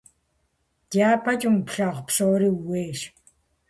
ДяпэкӀэ мы плъагъу псори ууейщ.